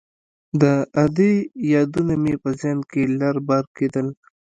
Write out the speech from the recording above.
د ادې يادونه مې په ذهن کښې لر بر کېدل.